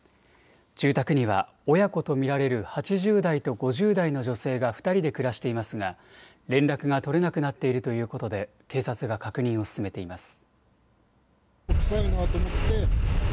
住宅には親子と見られる８０代と５０代の女性が２人で暮らしていますが連絡が取れなくなっているということで警察が確認を進めています。